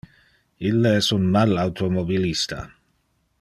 Ille es un mal automobilista.